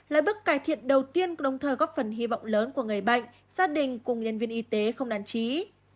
là bước cải thiện đầu tiên đồng thời góp phần hy vọng lớn của người bệnh gia đình cùng nhân viên y tế không nản trí